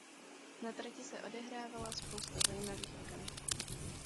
Na trati se odehrávala spousta zajímavých okamžiků.